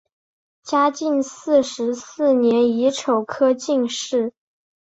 嘉靖四十四年乙丑科进士。